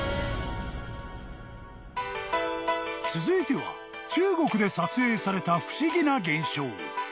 ［続いては中国で撮影された不思議な現象］